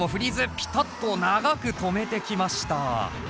ピタッと長く止めてきました。